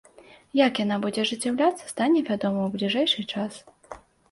Як яна будзе ажыццяўляцца, стане вядома ў бліжэйшы час.